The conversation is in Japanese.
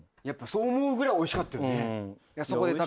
やっぱそう思うぐらいおいしかったよね。